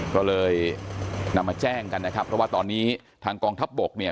ก็เลยนำมาแจ้งกันนะครับเพราะว่าตอนนี้ทางกองทัพบกเนี่ย